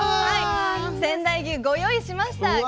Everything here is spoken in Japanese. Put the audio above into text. はい仙台牛ご用意しました。